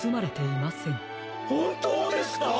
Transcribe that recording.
ほんとうですか？